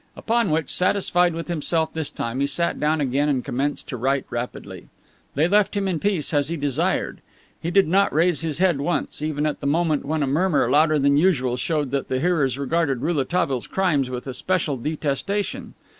Upon which, satisfied with himself this time, he sat down again and commenced to write rapidly. They left him in peace, as he desired. He did not raise his head once, even at the moment when a murmur louder than usual showed that the hearers regarded Rouletabille's crimes with especial detestation.